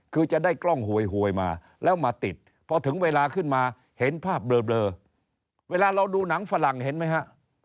คือจะได้กล้องหวยมาแล้วมาติดพอถึงเวลาขึ้นมาเห็นภาพเบลอเวลาเราดูหนังฝรั่งเห็นไหมฮะ